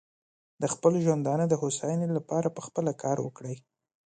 د خپل ژوندانه د هوساینې لپاره پخپله کار وکړي.